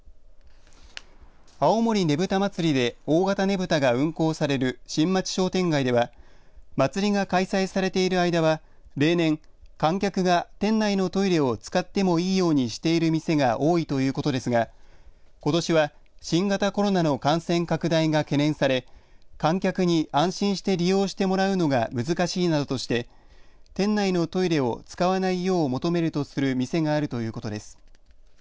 青森ねぶた祭で大型ねぶたが運行される新町商店街では祭りが開催されている間は例年、観客が店内のトイレを使ってもいいようにしている店が多いということですがことしは新型コロナの感染拡大が懸念され観客に安心して利用してもらうのが難しいなどとして店内のトイレを使わないよう求めるとする店があるということです。